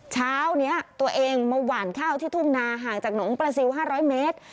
เช้านี้ตัวเองมาหวานข้าวที่ทุ่งนาห่างจากหนองปลาซิล๕๐๐เมตร